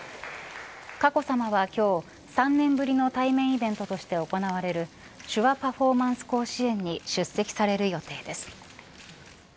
佳子さまは今日、３年ぶりの対面イベントとして行われる手話パフォーマンス甲子園に出席される予定です。